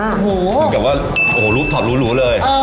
เหมือนกับว่าโหลูปฐอตหรูเลย